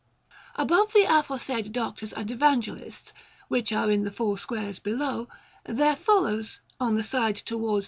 Above the aforesaid Doctors and Evangelists, which are in the four squares below, there follows, on the side towards S.